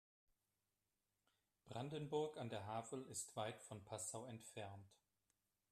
Brandenburg an der Havel ist weit von Passau entfernt